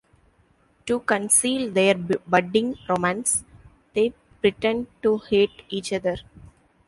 To conceal their budding romance they pretend to hate each other.